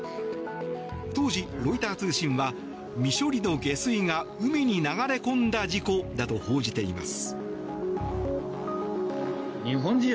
当時、ロイター通信は未処理の下水が海に流れ込んだ事故だと報じています。